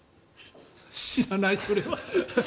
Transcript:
知らない、それは。